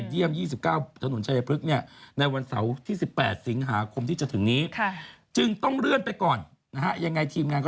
เดี๋ยวช่วงหน้าอัพเดทอาการคุณอ๊อฟพรงภัฐด้วยนะครับ